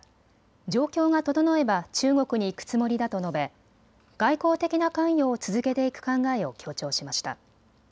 状況が整えば中国に行くつもりだと述べ外交的な関与を続けていく考えを強調しました。